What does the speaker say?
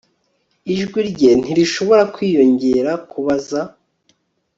Ijwi rye ntirishobora kwiyongera kubaza